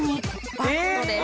バッドです。